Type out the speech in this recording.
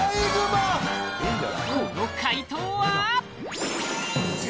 この快答は？